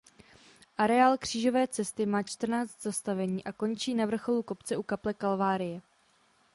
Areál křížové cesty má čtrnáct zastavení a končí na vrcholu kopce u kaple Kalvárie.